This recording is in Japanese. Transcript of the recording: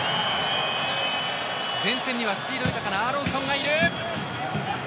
前線にはスピード豊かなアーロンソンがいる。